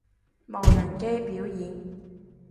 無人機表演